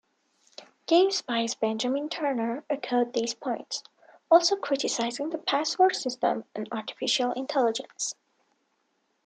GameSpy's Benjamin Turner echoed these points, also criticizing the password system and artificial intelligence.